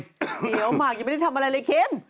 เดี๋ยวหมากยังไม่ได้ทำอะไรเลยเค็ม